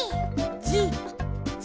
じじ？